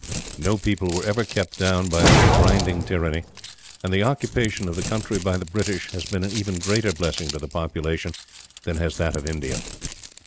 No people were ever kept down by a more grinding tyranny, and the occupation of the country by the British has been an even greater blessing to the population than has that of India.